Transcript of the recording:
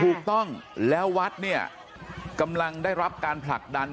ถูกต้องแล้ววัดเนี่ยกำลังได้รับการผลักดัน